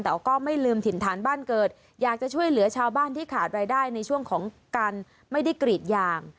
แต่ก็ไม่ลืมถิ่นฐานบ้านเกิดอยากจะช่วยเหลือชาวบ้านที่ขาดรายได้ในช่วงของการไม่ได้กรีดยาง